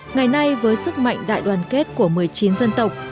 ngày nay với sức mạnh đại đoàn kết của một mươi chín dân tộc